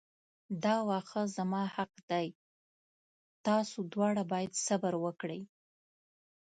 دا واښه زما حق دی تاسو دواړه باید صبر وکړئ.